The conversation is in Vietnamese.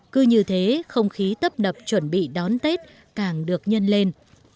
cứ như thế không khí tấp nập chuẩn bị đón tết càng được nhân lên